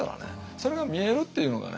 それが見えるっていうのがね